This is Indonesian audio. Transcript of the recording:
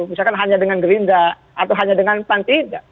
misalkan hanya dengan gerinda atau hanya dengan panti ida